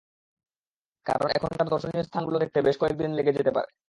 কারণ এখানকার দর্শনীয় স্থানগুলো দেখতে বেশ কয়েক দিন লেগে যেতে পারে।